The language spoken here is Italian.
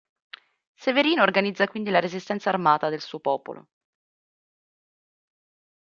Severin organizza quindi la resistenza armata del suo popolo.